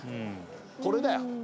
これだよ。